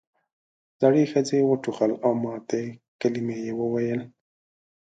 زړې ښځې وټوخل او ماتې کلمې یې وویل.